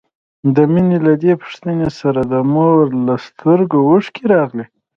د مينې له دې پوښتنې سره د مور له سترګو اوښکې راغلې.